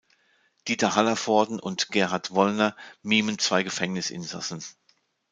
Dieter Hallervorden und Gerhard Wollner mimen zwei Gefängnisinsassen.